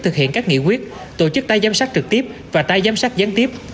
thực hiện các nghị quyết tổ chức tái giám sát trực tiếp và tái giám sát gián tiếp